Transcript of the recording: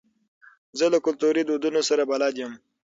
زه له کلتوري دودونو سره بلد یم.